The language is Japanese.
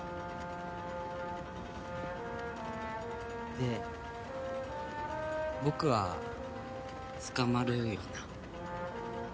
で僕は捕まるよな？